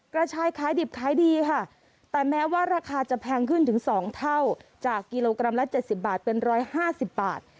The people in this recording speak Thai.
กระชายขายดิบขายดีค่ะแต่แม้ว่าราคาจะแพงขึ้นถึง๒เท่าจากกิโลกรัมละ๗๐บาทเป็น๑๕๐บาท